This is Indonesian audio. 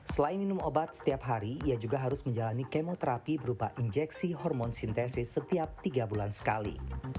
selain minum obat setiap hari ia juga harus menjalani kemoterapi berupa injeksi hormon sintesis setiap tiga bulan sekali